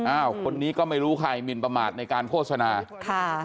อ้าวคนนี้ก็ไม่รู้ใครหมินประมาทในการโฆษณาค่ะ